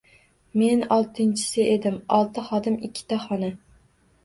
Men oltinchisi edim, olti xodim, ikkita xona.